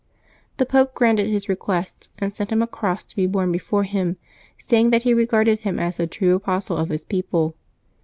The Pope granted his requests, and sent him a cross to be borne before him, saying that he regarded him as the true apostle of his people.